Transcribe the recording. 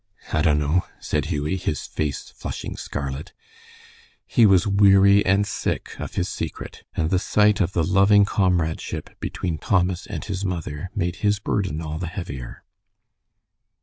"I dunno," said Hughie, his face flushing scarlet. He was weary and sick of his secret, and the sight of the loving comradeship between Thomas and his mother made his burden all the heavier.